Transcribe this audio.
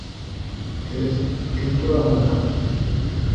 Һеҙ... кем тураһында?